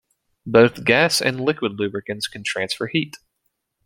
Both gas and liquid lubricants can transfer heat.